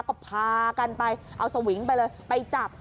ก็พากันไปเอาสวิงไปเลยไปจับ